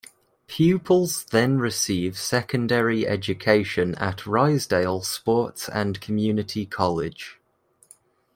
Pupils then receive secondary education at Risedale Sports and Community College.